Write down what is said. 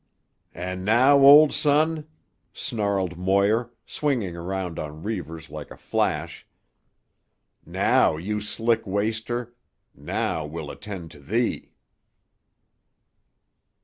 "And now, old son," snarled Moir, swinging around on Reivers like a flash, "now, you slick waster—now we'll attend to 'ee."